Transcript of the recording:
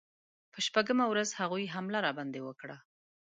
په شپږمه ورځ هغوی حمله راباندې وکړه.